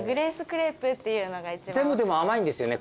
全部でも甘いんですよね？